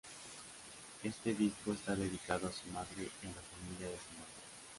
Este disco está dedicado a su madre y a la familia de su madre.